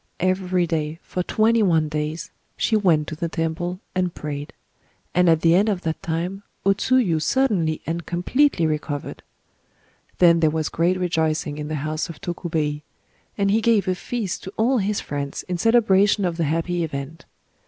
Every day, for twenty one days, she went to the temple and prayed; and at the end of that time, O Tsuyu suddenly and completely recovered. Then there was great rejoicing in the house of Tokubei; and he gave a feast to all his friends in celebration of the happy event.